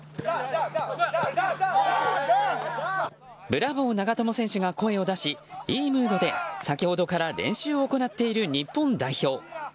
ブラボー長友選手が声を出しいいムードで先ほどから練習を行っている日本代表。